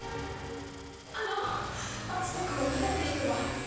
あの篤斗くんを見たって人が。